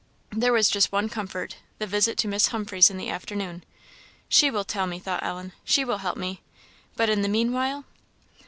There was just one comfort, the visit to Miss Humphreys in the afternoon. "She will tell me," thought Ellen; "she will help me. But in the mean while?"